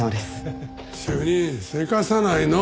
主任急かさないの。